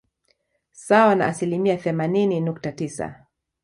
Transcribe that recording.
Sawa na asilimia themanini nukta tisa